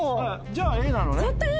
じゃあＡなのね？